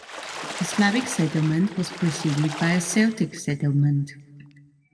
The Slavic settlement was preceded by a Celtic settlement.